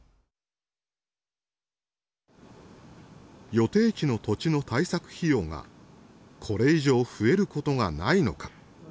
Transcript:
予定地の土地の対策費用がこれ以上増えることがないのか。